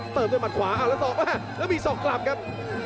เติมด้วยมัดขวาเอาแล้วสอกมาแล้วมีศอกกลับครับ